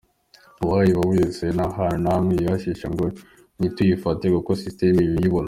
Uwayiba wese nta hantu na hamwe yayihisha ngo ntituyifate kuko system iba iyibona.